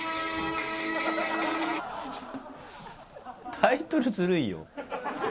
タイトルずるいよ。